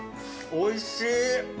おいしい。